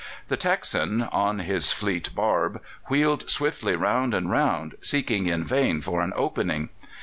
The Texan, on his fleet barb, wheeled swiftly round and round, seeking in vain for an opening.